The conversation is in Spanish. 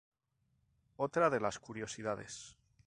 Otra de las curiosidades.